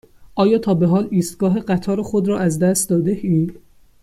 آیا تا به حال ایستگاه قطار خود را از دست داده ای؟